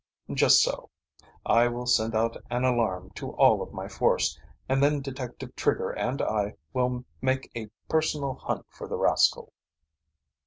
"Just so. I will send out an alarm to all of my force, and then Detective Trigger and I will make a personal hunt for the rascal."